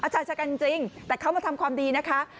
ชายชะกันจริงแต่เขามาทำความดีนะคะ